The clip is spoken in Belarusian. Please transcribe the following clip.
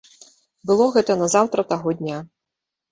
Было гэта назаўтра таго дня.